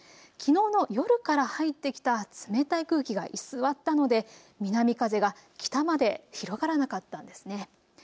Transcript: きのうの夜から入ってきた冷たい空気が居座ってので南風が北まで広がらなかったんです。